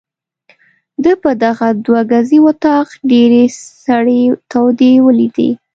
ده په دغه دوه ګزي وطاق ډېرې سړې تودې ولیدې.